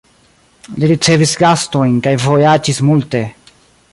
Li ricevis gastojn kaj vojaĝis multe.